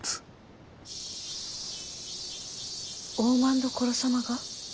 大政所様が？